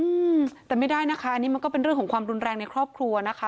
อืมแต่ไม่ได้นะคะอันนี้มันก็เป็นเรื่องของความรุนแรงในครอบครัวนะคะ